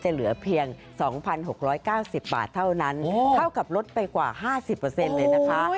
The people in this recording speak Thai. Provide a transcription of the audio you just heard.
เหลือเพียง๒๖๙๐บาทเท่านั้นเท่ากับลดไปกว่า๕๐เลยนะคะ